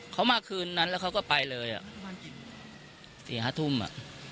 เขามาคืนนั้นแล้วเขาก็ไปเลยอ่ะสี่ห้าทุ่มอ่ะ